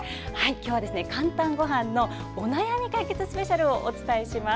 今日は「かんたんごはん」のお悩み解決スペシャルをお伝えします。